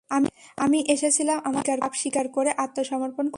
আমি এসেছিলাম আমার পাপ স্বীকার করে আত্মসমর্পণ করতে।